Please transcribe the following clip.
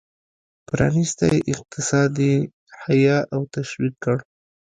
پرانیستی اقتصاد یې حیه او تشویق کړ.